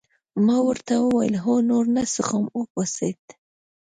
ما ورته وویل هو نور نه څښم او پاڅېد.